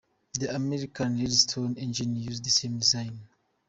The American Redstone engine used the same design.